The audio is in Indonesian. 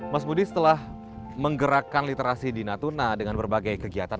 mas budi setelah menggerakkan literasi di natuna dengan berbagai kegiatan